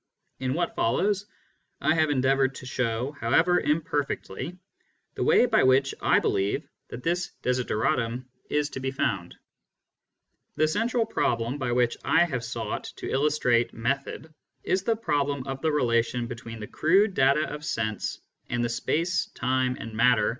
In what follows, I have endeavoured to show, however imperfectly, the way by which I believe that this desideratum is to be found. The central problem by which I have sought to illus trate method is the problem of the relation between the crude data of sense and the space, time, and matter of ' Delivered as Lowell Lectures in Boston, in March and April 1914.